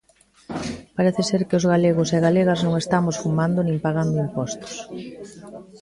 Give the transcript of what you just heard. Parece ser que os galegos e galegas non estamos fumando nin pagando impostos.